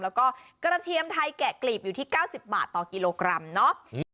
แล้วก็กระเทียมไทยแกะกลีบอยู่ที่๙๐บาทต่อกิโลกรัมเนาะ